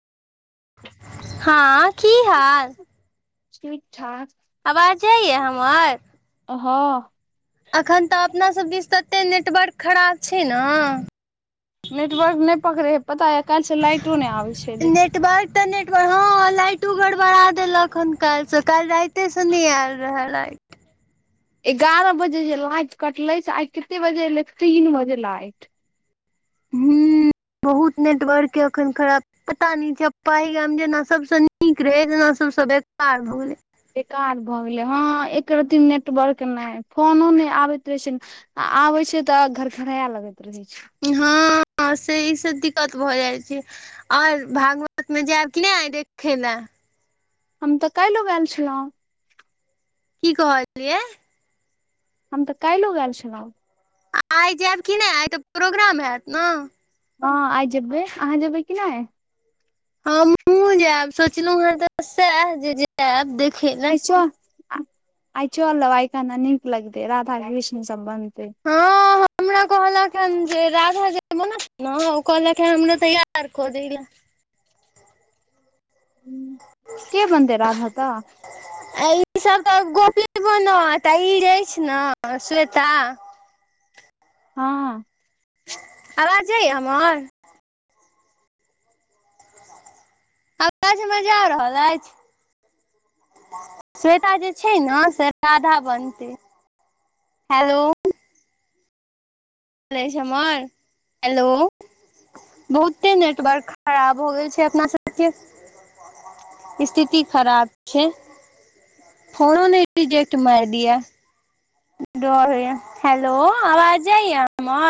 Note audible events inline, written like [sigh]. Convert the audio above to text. हँ की हाल ठीक ठाक आवाजइयए हमर हँ अखन तऽ अपना सब बिच तऽ एते नेटवर्क खराब छै ने नेटवर्क नहि पकड़े हे पता ह काल् से लाइटो नहि आबे छैे। बार इटरनेट पर हँ लाइटो गड़ बढ़ा देलक हन काल् से काल राति एते से नहि आयल रहल आइ एगारह बजे जे लाइट कटले छै आइ कते बजे एले तीन बजे लाइट हूँ [inaudible] बहुत नेटवर्क के एखन खराब पता नी [unintelligible] जे न सबस नीक रहे सबसँ बेकार भ गेले बेकार भऽ गेलै हँ एक रत्ती नेटवर्क नहि फोनो नहि आबैत रहै छै। आ आबै छै तऽ घर घरा लगैत रहै छै। हँ से ई से दिक्कत भऽ जाइ छै। और भागवत मे जायब कि नहि देखै लए? हम तऽ काइलो गैल छलहुँ। की कहलियै? हम तऽ काइलो गैल छलहु। आइ जैब की नहि? आइ तऽ प्रोग्राम हैत न। हँ आइ जेबै अहाँ जबै कि नहि? हमहुँ जैब सोचलहुँ हे तऽ सएह जे जैब देखे ला। अ आइ चलब आइका ना नीक लगतै राधा कृष्ण सब बनतै। [inaudible] कहलखन जे राधा जे बनत नऽ ओ कहलक हा हमरा तैयार कऽ दय ला क ह, के बनतय राधा तऽ? आ ईसभ तऽ गोपी बनत आ ई जे अइछ ने स्वेता हँ। आवाज जाय या हमर। अवाज हमर जा रहल अछि। स्वेता जे छै ने से राधा बनतै, हेलो। ल अछि हमर, हेलो। बहुते नेटवर्क खराब भऽ गेल छै अपना सबके। स्थिति खराब छै। फोनो नहि रिजेक्ट माइर दिया। डर होइए हैेलो आवाज जाइये अहं